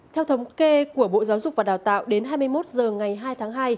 theo thống kê của bộ giáo dục và đào tạo đến hai mươi một h ngày hai tháng hai